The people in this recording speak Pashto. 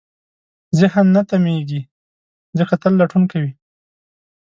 ذهن نه تمېږي، ځکه تل لټون کوي.